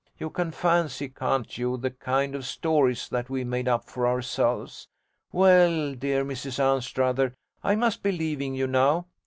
You can fancy, can't you, the kind of stories that we made up for ourselves. Well, dear Mrs Anstruther, I must be leaving you now.